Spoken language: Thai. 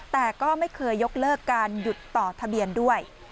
แต่ก็ไม่เคยยกเลิกการหยุดต่อทะเบียนด้วย